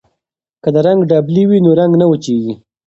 که د رنګ ډبلي وي نو رنګ نه وچیږي.